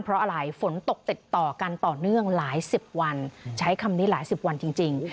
เพราะอะไรฝนตกติดต่อกันต่อเนื่องหลายสิบวันใช้คำนี้หลายสิบวันจริง